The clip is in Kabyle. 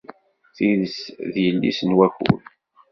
Tidet d yelli-s n wakud.